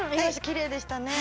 きれいでしたね。